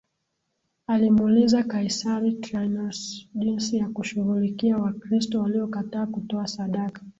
Alimwuliza Kaisari Traianus jinsi ya kushughulikia Wakristo waliokataa kutoa sadaka